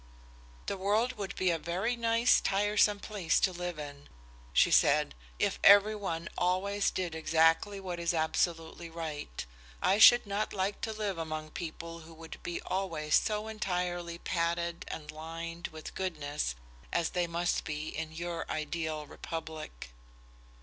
"The world would be a very nice tiresome place to live in," she said, "if every one always did exactly what is absolutely right. I should not like to live among people who would be always so entirely padded and lined with goodness as they must be in your ideal republic."